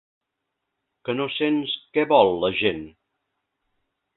Que no sents què vol la gent?